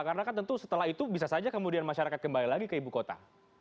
karena kan tentu setelah itu bisa saja kemudian masyarakat kembali lagi ke ibu kota